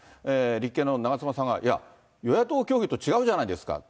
立憲の長妻さんがいや、与野党協議と違うじゃないですかと。